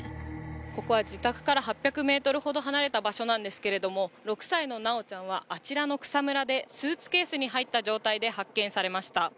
ここは自宅から８００ｍほど離れた場所なんですけれども６歳の修ちゃんはあちらの草むらでスーツケースに入った状態で発見されました。